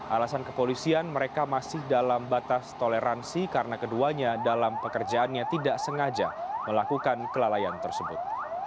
alasan kepolisian mereka masih dalam batas toleransi karena keduanya dalam pekerjaannya tidak sengaja melakukan kelalaian tersebut